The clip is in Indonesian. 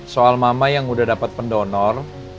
soal mama yang udah dapat pendonor